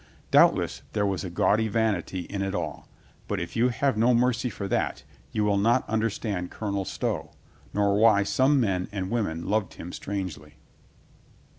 Doubtless there was a gaudy vanity in it all, but if you have no mercy for that, you will not understand Colonel Stow, nor why some men and women loved him strangely.